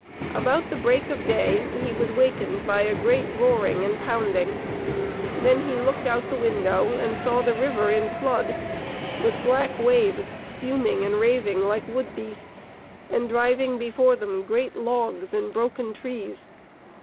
About the break of day he was wakened by a great roaring and pounding; then he looked out of window, and saw the river in flood, with black waves spuming and raving, like wood beasts, and driving before them great logs and broken trees.